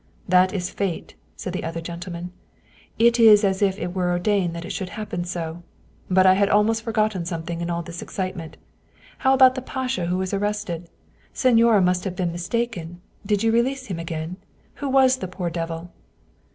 " That is fate !" said the other gentleman. " It is as if it were ordained that it should happen so. But I had almost forgotten something in all this excitement. How about the pasha who was arrested? Signora must have been mis taken. Did you release him again? Who was the poor devil?"